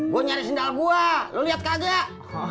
gue nyari sendal gue lo liat kagak